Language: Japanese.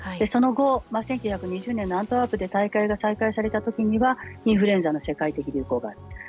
その後、１９２０年のアントワープで大会が開催されたときはインフルエンザの世界的流行がある。